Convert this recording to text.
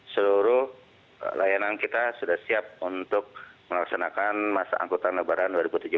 seluruh layanan kita sudah siap untuk melaksanakan masa angkutan lebaran dua ribu tujuh belas